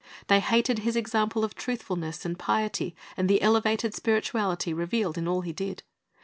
They hated His example of truthfulness and piety and the elevated spirituality revealed in all He did.